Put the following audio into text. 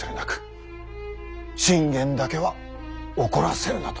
信玄だけは怒らせるなと。